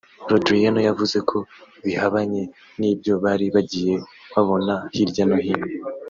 Le Drian yavuze ko bihabanye n’ibyo bari bagiye babona hirya no hino